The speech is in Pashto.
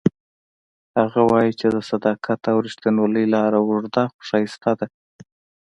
هغه وایي چې د صداقت او ریښتینولۍ لاره اوږده خو ښایسته ده